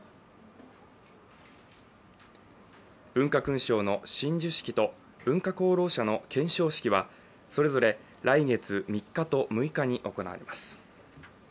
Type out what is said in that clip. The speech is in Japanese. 文化勲章の親授式と文化功労者の顕彰式はそれぞれ来月３日と６日に行われます。